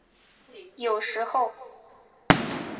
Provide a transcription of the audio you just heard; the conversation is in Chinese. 有时候。